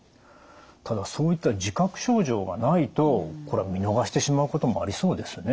ただそういった自覚症状がないと見逃してしまうこともありそうですね。